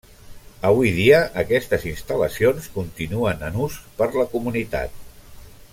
Avui dia aquestes instal·lacions continuen en ús per la comunitat.